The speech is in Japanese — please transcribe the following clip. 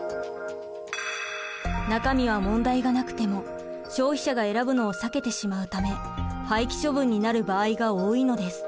中身は問題がなくても消費者が選ぶのを避けてしまうため廃棄処分になる場合が多いのです。